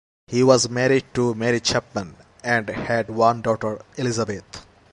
He was married to Mary Chapman and had one daughter, Elizabeth.